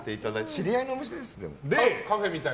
知り合いのお店ですけど。